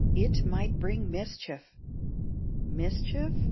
It might bring mischief." "Mischief?"